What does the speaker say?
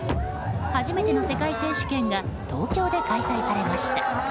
初めての世界選手権が東京で開催されました。